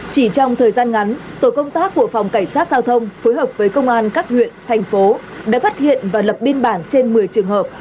chỉ trong thời gian ngắn tổ công tác của phòng cảnh sát giao thông phối hợp với công an các huyện thành phố đã phát hiện và lập biên bản trên một mươi trường hợp